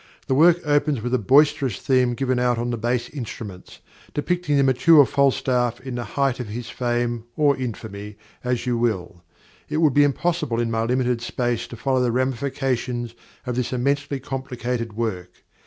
The work opens with a boisterous theme given out on the bass instruments, depicting the mature Falstaff in the height of his fame or infamy, as you will. It would be impossible in my limited space to follow the ramifications of this immensely complicated work.